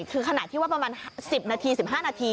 คือขณะที่ว่าประมาณ๑๐นาที๑๕นาที